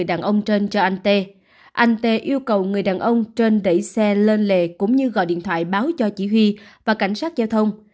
anh t yêu cầu người đàn ông trên đẩy xe lên lề cũng như gọi điện thoại báo cho chỉ huy và cảnh sát giao thông